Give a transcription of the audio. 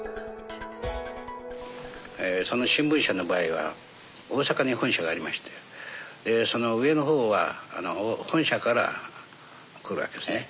その新聞社の場合は大阪に本社がありましてその上の方は本社から来るわけですね。